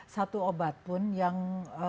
satu obat pun yang